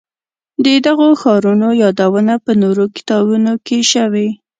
د دغو ښارونو یادونه په نورو کتابونو کې شوې.